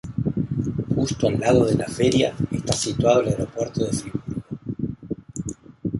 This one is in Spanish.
Justo al lado de la Feria está situado el aeropuerto de Friburgo.